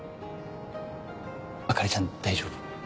朱里ちゃん大丈夫？